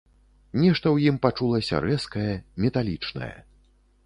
Нешта ў ім пачулася рэзкае, металічнае.